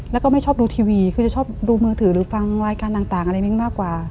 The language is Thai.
แล้วก็ไม่ชอบดูทีวีคือจะชอบดูมือถือหรือฟังรายการต่างอะไรมิ้งมากกว่า